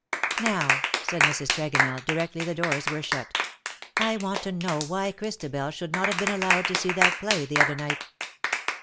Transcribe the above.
" Now/' said Mrs. Tregonell, directly the doors were shut, " I want to know why Christabel should not have been allowed to see that play the other night?"